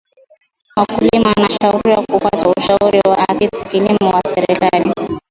wakulima wanashauriwa kufata ushauri wa afis kilimo wa serekali